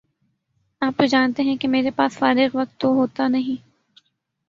آپ تو جانتے ہیں کہ میرے باس فارغ وقت تو ہوتا نہیں